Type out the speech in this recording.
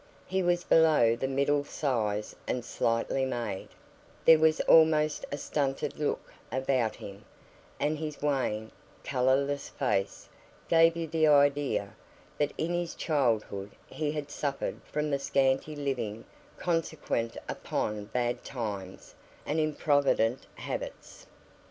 He was below the middle size and slightly made; there was almost a stunted look about him; and his wan, colourless face gave you the idea, that in his childhood he had suffered from the scanty living consequent upon bad times and improvident habits.